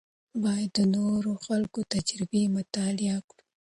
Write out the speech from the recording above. باید د نورو خلکو تجربې مطالعه کړو.